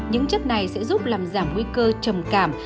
những chất này sẽ giúp làm giảm nguy cơ trầm cảm